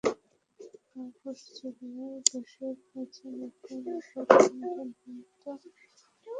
প্রভাষ চূড়ায় বসে বললেন, আপনার মোবাইল ফোনটা দেন তো, ভাব নিই।